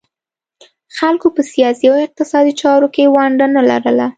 خلکو په سیاسي او اقتصادي چارو کې ونډه نه لرله